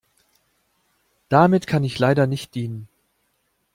Damit kann ich leider nicht dienen.